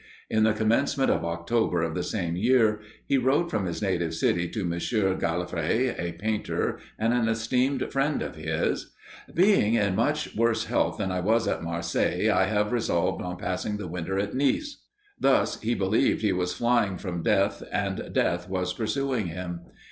In the commencement of October of the same year, he wrote from his native city to M. Galafre, a painter, and an esteemed friend of his: "Being in much worse health than I was at Marseilles, I have resolved on passing the winter at Nice." Thus he believed he was flying from death, and death was pursuing him.